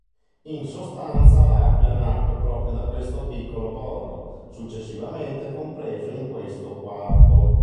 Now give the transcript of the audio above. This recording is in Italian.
In sostanza L'Aquila nacque proprio da questo piccolo borgo, successivamente compreso in questo Quarto.